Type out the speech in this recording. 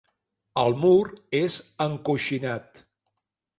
El mur és encoixinat.